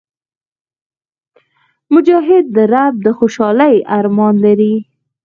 مجاهد د رب د خوشحالۍ ارمان لري.